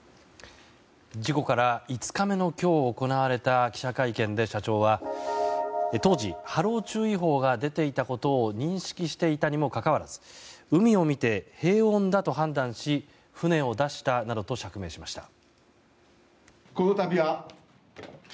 事故から５日目の今日行われた記者会見で社長は、当時波浪注意報が出ていたことを認識していたにもかかわらず海を見て平穏だと判断し船を出したなどと釈明しました。